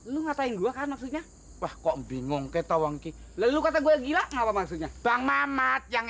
lo katain gua kan maksudnya wah kok bingung ketauan ki lalu kata gua gila ngapa maksudnya bang mamat yang